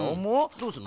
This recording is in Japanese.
どうすんの？